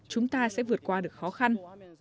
chúng ta sẽ vượt qua được khó khăn